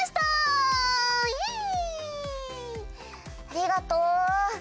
ありがとう。